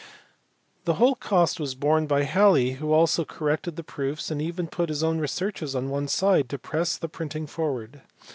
The whole cost was borne by Halley who also corrected the proofs and even put his own researches on one side to press the printing forward.